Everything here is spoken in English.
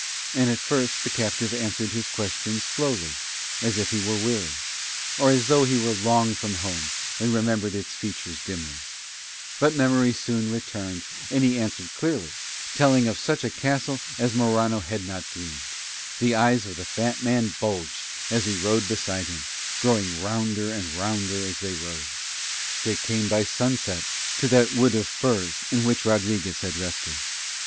And at first the captive answered his questions slowly, as if he were weary, or as though he were long from home and remembered its features dimly; but memory soon returned and he answered clearly, telling of such a castle as Morano had not dreamed; and the eyes of the fat man bulged as he rode beside him, growing rounder and rounder as they rode. They came by sunset to that wood of firs in which Rodriguez had rested.